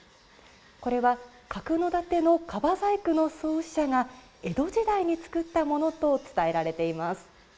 これは角館の樺細工の創始者が江戸時代に作ったものと伝えられています。